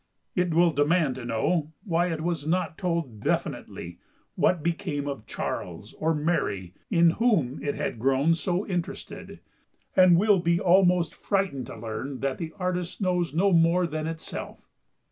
It will demand to know why it was not told definitely what became of Charles or Mary in whom it had grown so interested; and will be almost frightened to learn that the artist knows no more than itself.